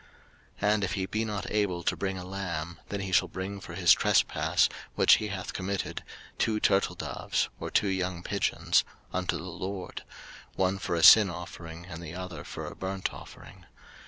03:005:007 And if he be not able to bring a lamb, then he shall bring for his trespass, which he hath committed, two turtledoves, or two young pigeons, unto the LORD; one for a sin offering, and the other for a burnt offering.